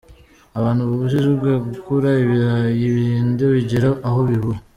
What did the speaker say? Abantu babujijwe gukura ibirayi birinda bigera aho bibora”.